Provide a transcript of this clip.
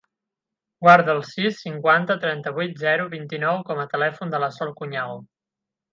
Guarda el sis, cinquanta, trenta-vuit, zero, vint-i-nou com a telèfon de la Sol Couñago.